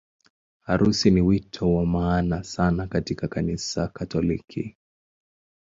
Harusi ni wito wa maana sana katika Kanisa Katoliki.